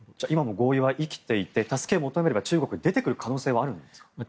今も合意は生きていて助けを求めれば中国は出てくるんですか？